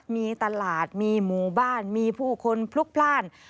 มีตลาดมีหมู่บ้านมีผู้คนพลุกพลาด